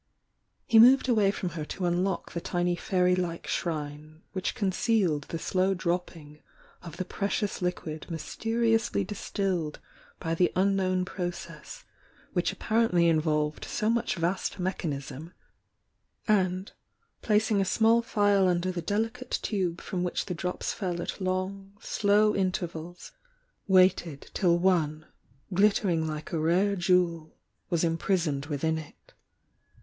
He moved away from her to unlock the tiny fairy like shrine, which concealed the slow dropping of the precious liquid mysteriously distilled by the un known process which apparently involved so much vast mechanism, and, placing a small phial under the delicate tube from which the drops fell at long, dow intervals, waited till one, glittering like a rare jewel, was imprisoned within it.